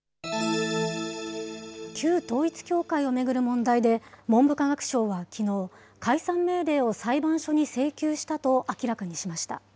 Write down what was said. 旧統一教会を巡る問題で、文部科学省はきのう、解散命令を裁判所に請求したと明らかにしました。